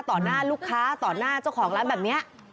หน้าลูกค้าต่อหน้าเจ้าของร้านแบบนี้